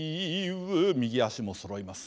右足もそろえます。